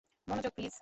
মনোযোগ, প্লিজ!